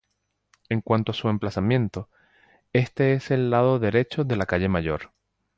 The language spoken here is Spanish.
En cuanto a su emplazamiento, este es el lado derecho de la calle mayor.